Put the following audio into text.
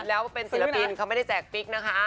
แล้วเป็นศิลปินเขาไม่ได้แจกปิ๊กนะคะ